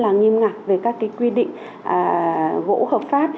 và rất nghiêm ngặt về các quy định gỗ hợp pháp